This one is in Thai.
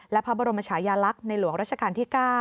และพระบรมชายาลักษณ์ในหลวงราชการที่๙